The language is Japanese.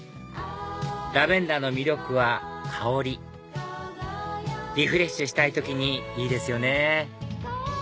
ラベンダーの魅力は香りリフレッシュしたい時にいいですよね